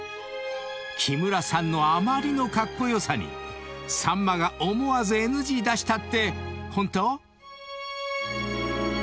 ［木村さんのあまりのカッコ良さにさんまが思わずＮＧ出したってホント⁉］